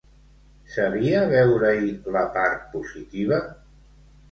Sabia veure-hi la part positiva?